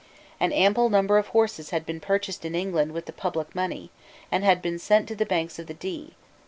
An ample number of horses had been purchased in England with the public money, and had been sent to the banks of the Dee.